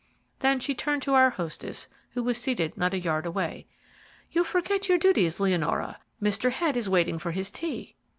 Then she turned to our hostess, who was seated not a yard away. "You forget your duties, Leonora. Mr. Head is waiting for his tea."